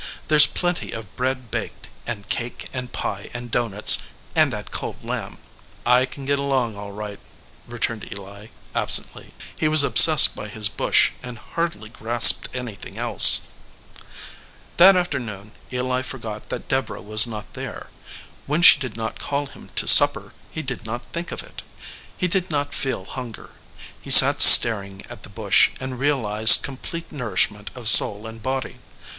There s plenty of bread baked, and cake and pie and doughnuts, and that cold lamb." "I can get along all right," returned Eli, ab 8 105 EDGEWATER PEOPLE sently. He was obsessed by his bush and hardly grasped anything else. That afternoon Eli forgot that Deborah was not there. When she did not call him to supper, he did not think of it. He did not feel hunger. He sat staring at the bush, and realized complete nourishment of soul and body.